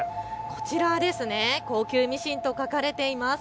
こちらですね、高級ミシンと書かれています。